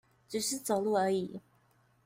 只是走路而已